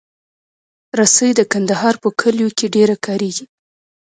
رسۍ د کندهار په کلیو کې ډېره کارېږي.